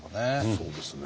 そうですね。